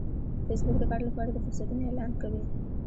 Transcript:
فېسبوک د کار لپاره د فرصتونو اعلان کوي